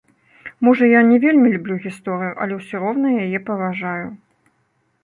Можа, я не вельмі люблю гісторыю, але ўсё роўна яе паважаю.